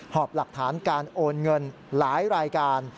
หอบหลักฐานการโอนเงินหลายรายการ